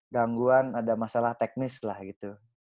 gangguan ada masalah teknis lah gitu